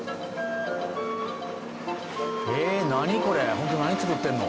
ホント何作ってるの？